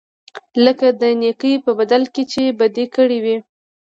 لکه د نېکۍ په بدل کې چې بدي کړې وي.